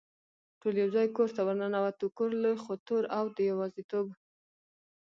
ټول یو ځای کور ته ور ننوتو، کور لوی خو تور او د یوازېتوب.